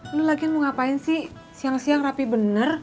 lo lagian mau ngapain sih siang siang rapi bener